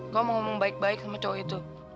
kamu mau ngomong baik baik sama cowok itu